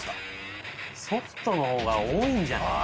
ソフトのほうが多いんじゃない？